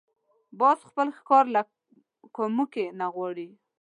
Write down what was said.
باز خپل ښکار له کومکي نه غواړي